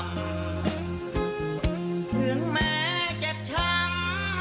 ถึงแม้เจ็บชั้น